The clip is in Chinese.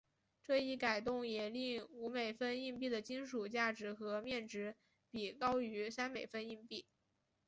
这一改动也令五美分硬币的金属价值和面值比高于三美分硬币。